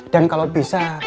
dan kalau bisa